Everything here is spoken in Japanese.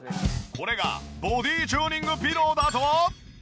これがボディチューニングピローだと？